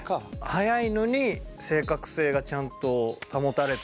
速いのに正確性がちゃんと保たれてて。